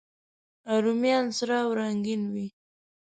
رومیان سره او رنګین وي